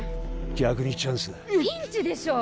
逆にチャンスだピンチでしょいや